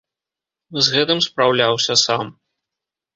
З гэтым спраўляўся сам.